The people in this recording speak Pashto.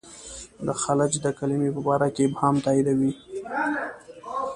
د خلج د کلمې په باره کې ابهام تاییدوي.